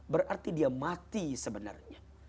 berarti dia mati sebenarnya